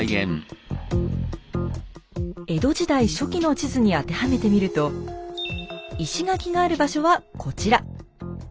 江戸時代初期の地図に当てはめてみると石垣がある場所はこちら。